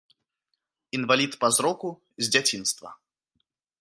Інвалід па зроку з дзяцінства.